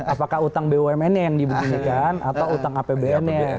apakah utang bumn nya yang dibunyikan atau utang apbn